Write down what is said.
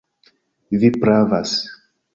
Vi pravas.